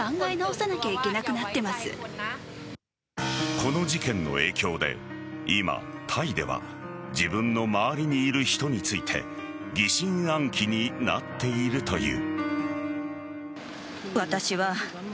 この事件の影響で今、タイでは自分の周りにいる人について疑心暗鬼になっているという。